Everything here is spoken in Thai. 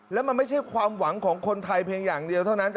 แล้วมันไม่ใช่ความหวังของคนไทยเพียงอย่างเดียวเท่านั้น